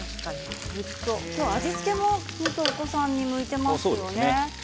今日は味付けもお子さんに向いていますよね。